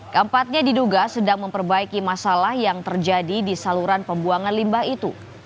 keempatnya diduga sedang memperbaiki masalah yang terjadi di saluran pembuangan limbah itu